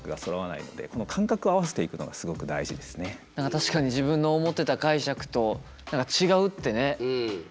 確かに自分の思ってた解釈と何か違うってねあるからね。